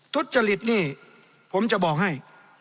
ทุจริตนี่ผมจะบอกให้